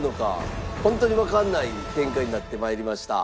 本当にわからない展開になって参りました。